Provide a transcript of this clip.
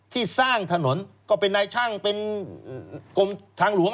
ที่สร้างถนนก็เป็นนายช่างเป็นกรมทางหลวง